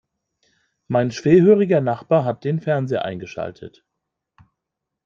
Mein schwerhöriger Nachbar hat den Fernseher eingeschaltet.